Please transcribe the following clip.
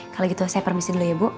kalau gitu saya permisi dulu ya bu